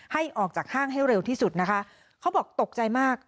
ให้ออกจากห้างให้เร็วที่สุดนะคะเขาบอกตกใจมาก